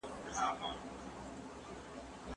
خدایه مېنه مو کړې خپله، خپل معمار خپل مو باغوان کې